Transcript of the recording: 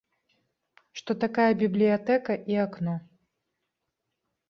Што такая бібліятэка і акно.